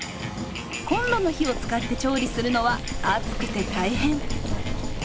コンロの火を使って調理するのは暑くて大変。